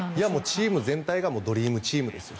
チーム全体がドリームチームですよ。